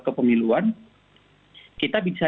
kepemiluan kita bisa